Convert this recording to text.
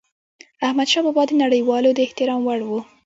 احمدشاه بابا د نړيوالو د احترام وړ و.